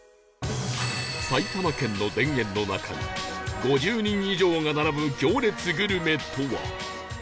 埼玉県の田園の中に５０人以上が並ぶ行列グルメとは果たして